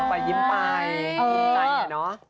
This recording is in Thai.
ไปยิ้มไปใจเหรอ